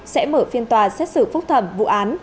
sẽ mở phiên tòa xét xử phúc thẩm vụ án